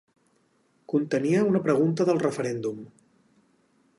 Contenia una pregunta del referèndum.